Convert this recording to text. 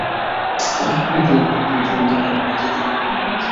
Test ক্রিকেটে তেমন সফলতার স্বাক্ষর রাখতে পারেননি।